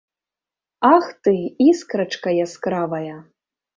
Ах ты, іскрачка яскравая!